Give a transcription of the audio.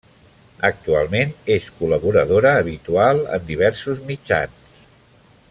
Actualment és col·laboradora habitual en diversos mitjans.